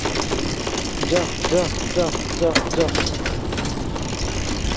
যা, যা, যা, যা, যা!